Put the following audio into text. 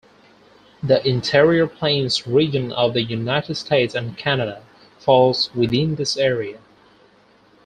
The Interior plains region of the United States and Canada falls within this area.